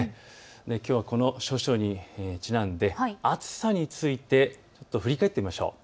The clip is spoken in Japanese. きょうは、この処暑にちなんで暑さについて振り返ってみましょう。